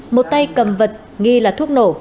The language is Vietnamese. một tay cầm vật nghi là thuốc nổ